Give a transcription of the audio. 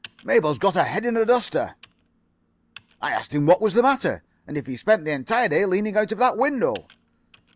Mabel's got her head in a duster.' "I asked him what was the matter. And if he spent the entire day leaning out of that window.